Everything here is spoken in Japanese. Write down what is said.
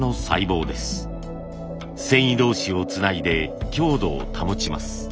繊維同士をつないで強度を保ちます。